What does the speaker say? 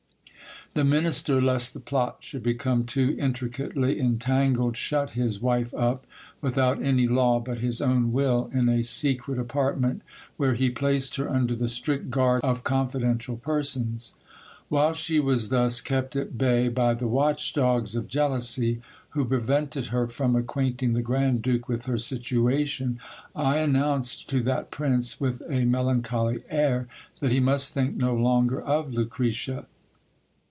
The minister, lest the plot should become too intricately entangled, shut his wife up, without any law but his own will, in a secret apartment, where he placed her under the strict guard of confidential persons. While she was thus kept at bay by the watch dogs of jealousy, who prevented her from acquainting the grand duke with her situation, I announced to that prince, with a melan choly air, that he must think no longer of Lucretia.